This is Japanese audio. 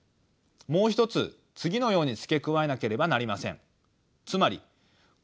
もう一つ次のように付け加えなければなりません。